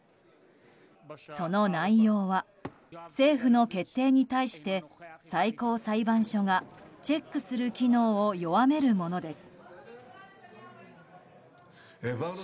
その内容は、政府の決定に対して最高裁判所がチェックする機能を弱めるものです。